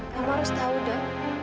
kamu harus tau dong